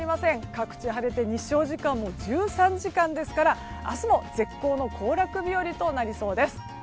各地晴れて日照時間も１３時間ですから明日も絶好の行楽日和となりそうです。